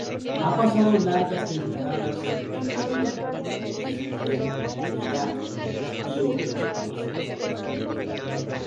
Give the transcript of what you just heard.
Ha pasado largas temporadas en Líbano, Israel, Irak y otros países.